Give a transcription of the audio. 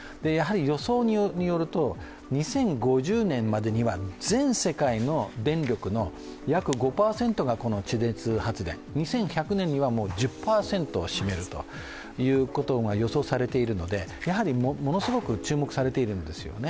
予想によると、２０５０年までには全世界の電力の約５％がこの地熱発電、２１００年には１０％を占めることが予想されているので、ものすごく注目されているんですよね。